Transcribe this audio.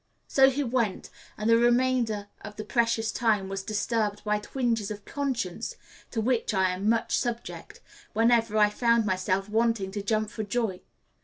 So he went; and the remainder of the precious time was disturbed by twinges of conscience (to which I am much subject) whenever I found myself wanting to jump for joy.